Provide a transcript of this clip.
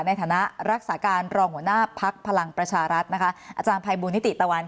ในฐานะรักษาการรองหัวหน้าพักพลังประชารัฐนะคะอาจารย์ภัยบูลนิติตะวัน